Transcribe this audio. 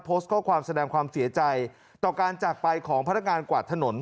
โพสต์ข้อความแสดงความเสียใจต่อการจากไปของพนักงานกวาดถนน